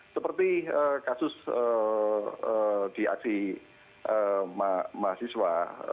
seperti kasus di aksi mahasiswa